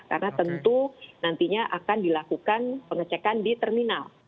karena tentu nantinya akan dilakukan pengecekan di terminal